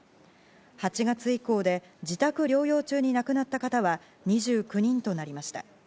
８月以降で自宅療養中に亡くなった方は２９人となりました。